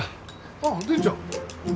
ああ善ちゃん。